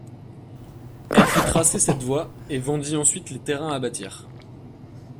Elle fit tracer cette voie et vendit ensuite les terrains à bâtir.